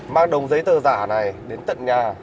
mang đồng giấy tờ giả này đến tận nhà